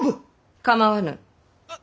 構わぬ。